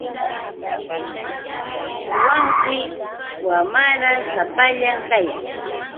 Wanshi wamarash sapallan kayan.